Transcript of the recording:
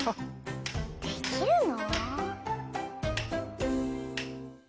できるの？